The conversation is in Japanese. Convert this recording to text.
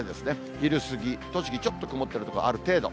昼過ぎ、栃木、ちょっと曇ってる所ある程度。